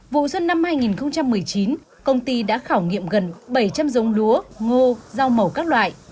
vụ xuân năm hai nghìn một mươi chín công ty đã khảo nghiệm gần bảy trăm linh giống lúa ngô rau màu các loại